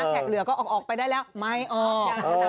แขกเหลือก็ออกไปได้แล้วไม่ออก